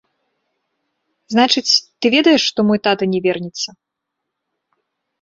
Значыць, ты ведаеш, што мой тата не вернецца.